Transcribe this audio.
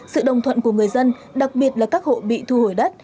sự đồng thuận của người dân đặc biệt là các hộ bị thu hồi đất